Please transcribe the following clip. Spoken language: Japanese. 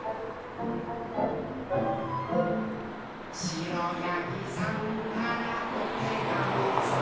「しろやぎさんからおてがみついた」